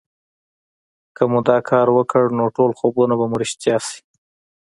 که مو دا کار وکړ نو ټول خوبونه به مو رښتيا شي